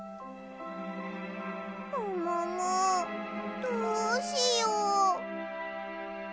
もももどうしよう。